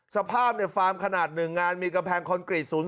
สภาพเนี่ยฟาร์มขนาดหนึ่งมีกระแพงคอนกรีต